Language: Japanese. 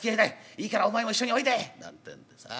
いいからお前も一緒においで」なんてんでさあ